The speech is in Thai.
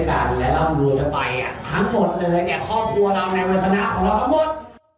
ครอบครัวเราในวัฒนาของเรามันทั้งหมด